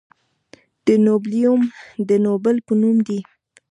د نوبلیوم د نوبل په نوم دی.